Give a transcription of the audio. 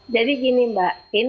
jadi gini mbak